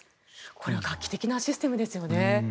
これは画期的なシステムですよね。